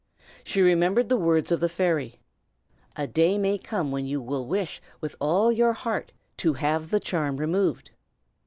She remembered the words of the fairy: "A day may come when you will wish with all your heart to have the charm removed."